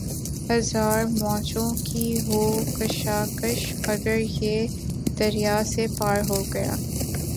ہزار موجوں کی ہو کشاکش مگر یہ دریا سے پار ہوگا